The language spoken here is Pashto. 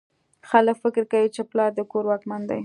خلک فکر کوي چې پلار د کور واکمن دی